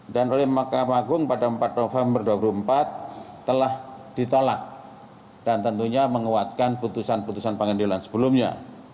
dan oleh mahkamah agung pada empat november dua ribu empat telah ditolak dan tentunya menguatkan putusan putusan pengendilan sebelumnya